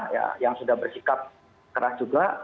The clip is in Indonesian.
ya yang sudah bersikap keras juga